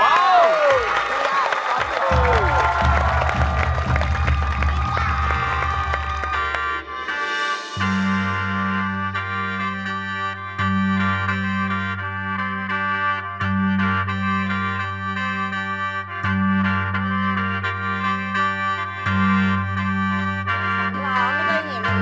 อันนี้คือเวลา